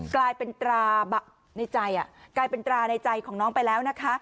กลายเป็นตราในใจของน้องไปแล้วนะคะ